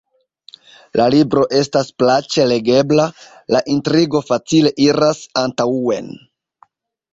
La libro estas plaĉe legebla, la intrigo facile iras antaŭen...